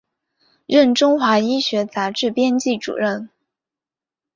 任中华医学杂志编辑主任。